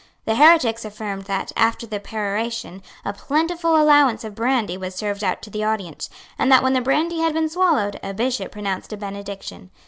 The heretics affirmed that, after the peroration, a plentiful allowance of brandy was served out to the audience, and that, when the brandy had been swallowed, a Bishop pronounced a benediction.